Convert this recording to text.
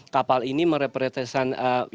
kapal ini merepretesan